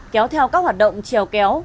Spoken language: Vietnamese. kéo theo các hoạt động trèo kéo